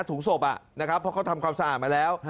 ถุงสบน่ะเพราะเขาทำความสะอาดมาแล้ว